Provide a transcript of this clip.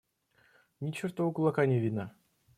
Ни чертова кулака не видно.